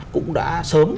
cũng đã sớm